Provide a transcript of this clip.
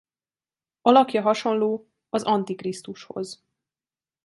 Alakja hasonló az Antikrisztushoz.